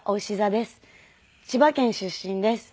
千葉県出身です。